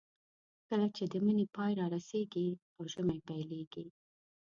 کله چې د مني پای رارسېږي او ژمی پیلېږي.